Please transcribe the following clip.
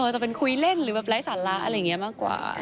จะเป็นคุยเล่นหรือแบบไร้สาระอะไรอย่างนี้มากกว่า